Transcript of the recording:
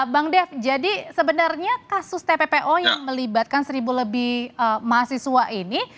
bang dev jadi sebenarnya kasus tppo yang melibatkan seribu lebih mahasiswa ini